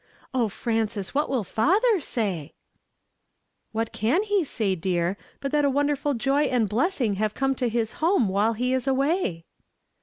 O Frances ! what will father say ?"" What can he say, dear, but that a wonderful joy and blessing have come to his home while he was away?"